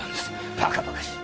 バカバカしい！